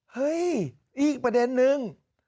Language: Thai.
เฮ้ยอีกประเด็นนึง